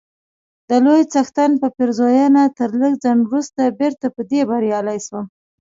د لوی څښتن په پېرزوینه تر لږ ځنډ وروسته بیرته په دې بریالی سوم،